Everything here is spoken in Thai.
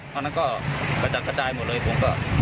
ตอนนั้นก็กระจัดกระจายหมดเลยผมก็